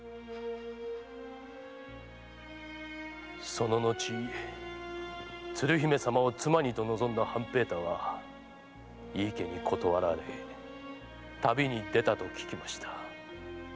その後鶴姫様を妻にと望んだ半平太は井伊家に断られ旅に出たと聞きました。